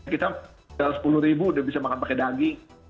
kita rp sepuluh sudah bisa makan pakai daging